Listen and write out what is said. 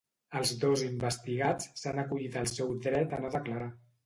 Els dos investigats s’han acollit al seu dret a no declarar.